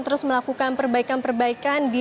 terus melakukan perbaikan perbaikan di